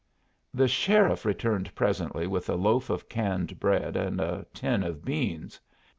The sheriff returned presently with a loaf of canned bread and a tin of beans.